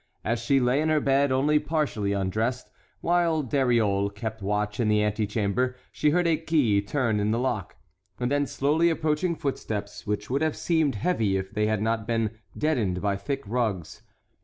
As she lay in her bed only partially undressed, while Dariole kept watch in the antechamber, she heard a key turn in the lock, and then slowly approaching footsteps which would have seemed heavy if they had not been deadened by thick rugs.